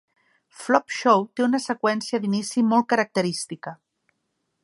"Flop Show" té una seqüència d'inici molt característica.